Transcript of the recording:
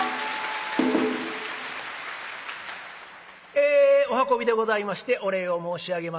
えお運びでございましてお礼を申し上げます。